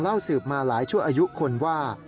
เล่าสืบมาหลายชั่วอายุคนว่า